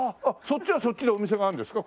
そっちはそっちでお店があるんですか？